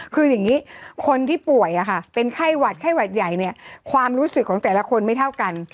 คืออย่างนี้คนที่ป่วยเป็นไข้หวัดไข้หวัดใหญ่เนี่ยความรู้สึกของแต่ละคนไม่เท่ากัน